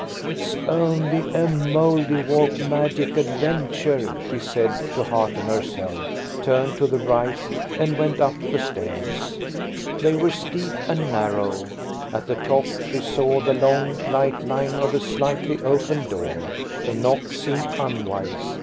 "It's only a Mouldiwarp magic adventure," she said, to hearten herself, turned to the right, and went up the stairs. They were steep and narrow. At the top she saw the long, light line of a slightly opened door. To knock seemed unwise.